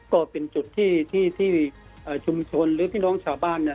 ก็เป็นจุดที่ชุมชนหรือพี่น้องชาวบ้านเนี่ย